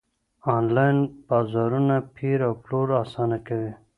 انلاين بازارونه پېر او پلور اسانه کوي.